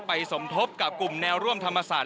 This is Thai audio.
สมทบกับกลุ่มแนวร่วมธรรมศาสต